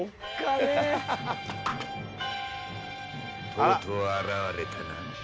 「とうとう現れたな」